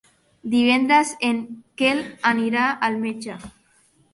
Divendres en Quel anirà al metge.